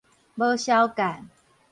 無潲姦